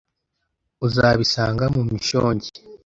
Uzabisanga mu mishongi